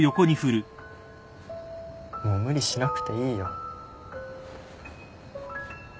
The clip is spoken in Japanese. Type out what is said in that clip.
もう無理しなくていいよ。